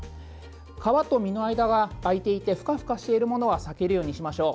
皮と実の間が空いていてふかふかしているものは避けるようにしましょう。